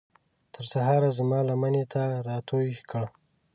تر سهاره زما لمنې ته راتوی کړئ